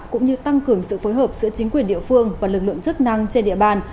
cũng như tăng cường sự phối hợp giữa chính quyền địa phương và lực lượng chức năng trên địa bàn